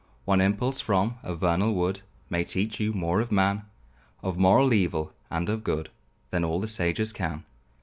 One impulse from a vernal wood May teach you more of man; Of moral evil and of good, Than all the sages can.